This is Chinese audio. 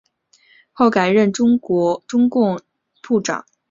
后改任中共江西省委组织部副部长。